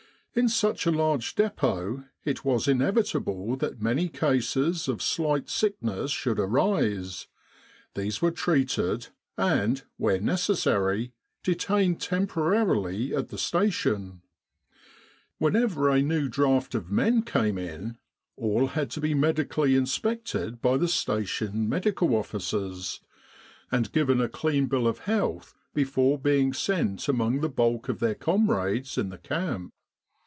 In such a large depot it was inevitable that many cases of slight sickness should arise : these were treated, and, where necessary, detained temporarily at the Station. With the R.A.M.C. in Egypt Whenever a new draft of men came in, all had to be medically inspected by the Station M.O.'s and given a clean bill of health before being sent among the bulk of their comrades in the camp.